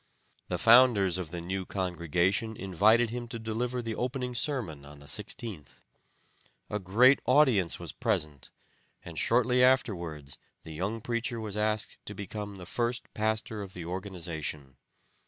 The founders of the new congregation invited him to deliver the opening sermon on the 16th. A great audience was present, and shortly afterwards the young preacher was asked to become the first pastor of the organization.